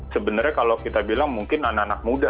sebenarnya kalau kita bilang mungkin anak anak muda